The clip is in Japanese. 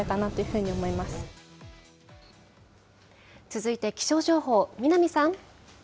続いて気象情報、南さん。